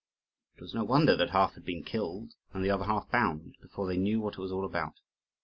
It was no wonder that half had been killed, and the other half bound, before they knew what it was all about.